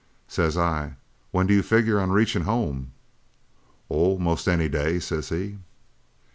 "Says I: 'When do you figure on reachin' home?' "'Oh, most any day,' says he.